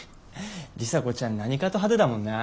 里紗子ちゃん何かと派手だもんな。